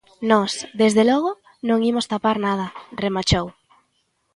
"Nós, desde logo, non imos tapar nada", remachou.